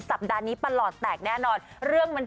สัปดาห์นี้ปลอดแตกแน่นอน